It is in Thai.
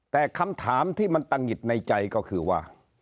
แต่คำถามที่มันตะหงิดในใจก็คือว่า